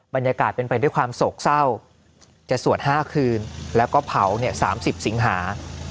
บรรยากาศเป็นไปด้วยความโศกเศร้าจะสวด๕คืนแล้วก็เผา๓๐สิงหา